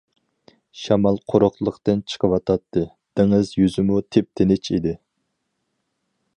شامال قۇرۇقلۇقتىن چىقىۋاتاتتى، دېڭىز يۈزىمۇ تىپتىنچ ئىدى.